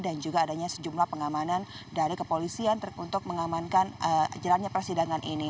dan juga adanya sejumlah pengamanan dari kepolisian untuk mengamankan jalannya persidangan